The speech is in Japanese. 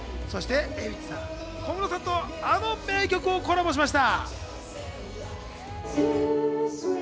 Ａｗｉｃｈさん、小室さんとあの名曲をコラボしました。